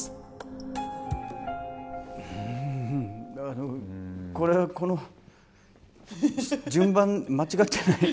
あのこれはこの順番間違ってないか。